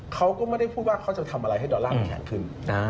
เขาก็ไม่ได้พูดว่าเขาจะทำอะไรให้ดอลลาร์มันแพงขึ้น